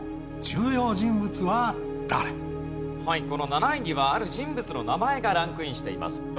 この７位にはある人物の名前がランクインしています。